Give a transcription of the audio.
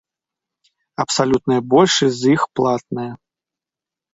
Абсалютная большасць з іх платная.